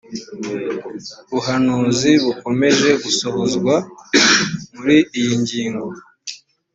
buhanuzi bukomeje gusohozwa muri iyi ngingo